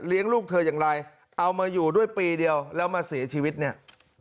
ลูกเธออย่างไรเอามาอยู่ด้วยปีเดียวแล้วมาเสียชีวิตเนี่ย